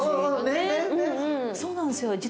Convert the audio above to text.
そうなんですよ。